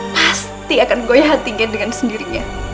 pasti akan goyah antigen dengan sendirinya